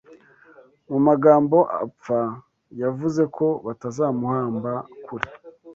Mu magambo apfa yavuze ko batazamuhamba kure